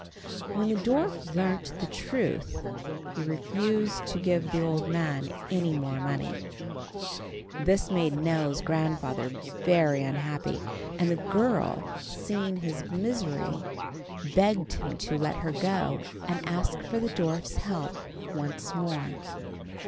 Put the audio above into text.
When the dwarf learnt the truth, he refused to give the old man any more money. This made Nell's grandfather very unhappy, and the girl, seeing his misery, begged him to let her go and ask for the dwarf's help once more.